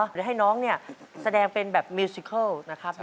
หรือให้น้องเนี่ยแสดงเป็นแบบมิวซิเคิลนะครับ